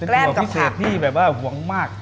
แต่ถั่วพี่เสียพี่แบบว่าหวงมาก